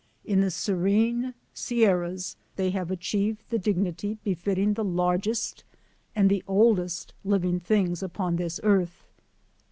In the serene Sierras they have achieved the dignity befitting the larg est and the oldest living things upon this earth.